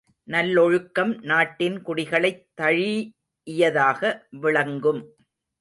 நல்லொழுக்கம் நாட்டின் குடிகளைத் தழீஇயதாக விளங்கும்.